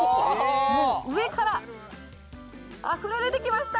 もう上からあふれ出てきました